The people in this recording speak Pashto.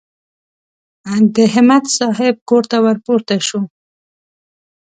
د همت صاحب کور ته ور پورته شوو.